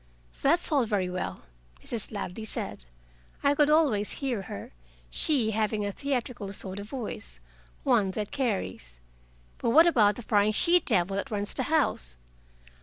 "That's all very well," Mrs. Ladley said. I could always hear her, she having a theatrical sort of voice one that carries. "But what about the prying she devil that runs the house?"